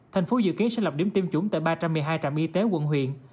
thành phố dự kiến sẽ lập điểm tiêm chủng tại ba trăm một mươi hai trạm y tế quận huyện